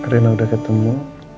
rina udah ketemu